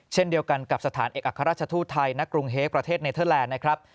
เช่นเดียวกันกับสถานเอกอัครราชทูตไทยณกรุงเฮกประเทศเนเทอร์แลนด์นะครับ